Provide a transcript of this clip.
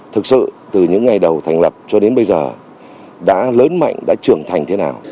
thực sự từ những ngày đầu thành lập cho đến bây giờ đã lớn mạnh đã trưởng thành thế nào